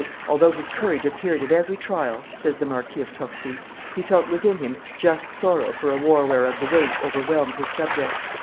"Although his courage appeared at every trial," says the Marquis of Torcy, "he felt within him just sorrow for a war whereof the weight overwhelmed his subjects.